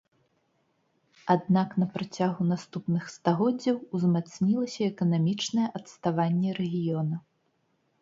Аднак на працягу наступных стагоддзяў узмацнілася эканамічнае адставанне рэгіёна.